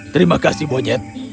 terima kasih bonyet